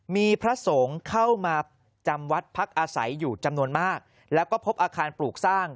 มีพระสงฆ์เข้ามาจำวัดพักอาศัยอยู่จำนวนมากแล้วก็พบอาคารปลูกสร้าง